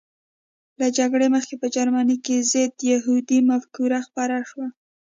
له جګړې مخکې په جرمني کې ضد یهودي مفکوره خپره شوه